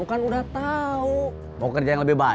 antaus rs ya